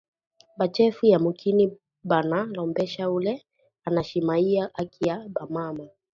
Bachefu ya mukini bana lombesha ule ana shimamiya haki ya ba mama